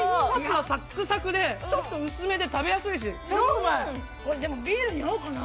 サックサクで、ちょっと薄めで食べやすいしでもビールに合うかな？